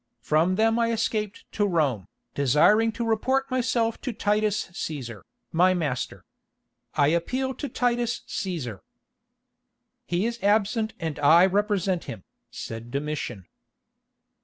From them I escaped to Rome, desiring to report myself to Titus Cæsar, my master. I appeal to Titus Cæsar." "He is absent and I represent him," said Domitian.